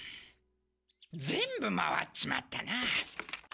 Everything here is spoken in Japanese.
全部回っちまったな。